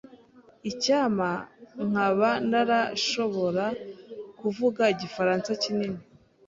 Icyampa nkaba narashobora kuvuga Igifaransa kinini.